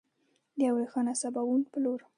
د یو روښانه سباوون په لور.